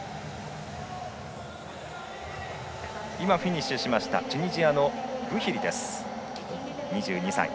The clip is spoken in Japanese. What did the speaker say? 今フィニッシュしましたチュニジアのブヒリ、２２歳。